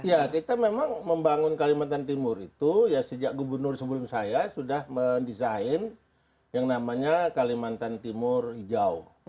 ya kita memang membangun kalimantan timur itu ya sejak gubernur sebelum saya sudah mendesain yang namanya kalimantan timur hijau